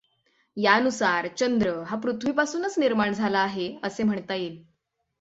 यानुसार चंद्र हा पृथ्वीपासूनच निर्माण झाला आहे, असे म्हणता येईल.